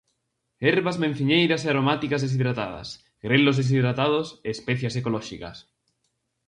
Herbas menciñeiras e aromáticas deshidratadas, grelos deshidratados e especias ecolóxicas.